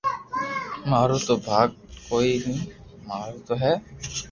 مارو تو ڀاگ ڪوئي ني مارو تو ھي